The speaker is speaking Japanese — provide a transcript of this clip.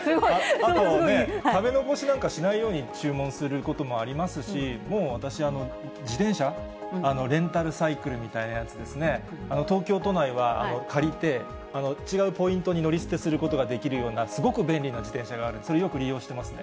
あとね、食べ残しなんかしないように注文することもありますし、もう私、自転車、レンタルサイクルみたいなやつですね、東京都内は借りて、違うポイントに乗り捨てすることができるような、すごく便利な自転車がある、それ、よく利用してますね。